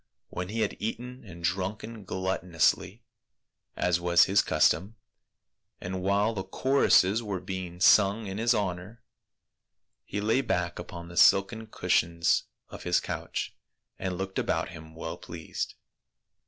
When he had eaten and drunken gluttonously, . as was his custom, and while the choruses were being sung in his honor, he lay back upon the silken cushions of his couch and looked about him well pleased.